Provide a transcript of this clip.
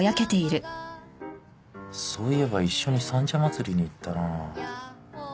そういえば一緒に三社祭に行ったな。